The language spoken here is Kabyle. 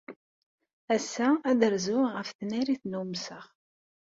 Ass-a, ad rzuɣ ɣef tnarit n umsaɣ.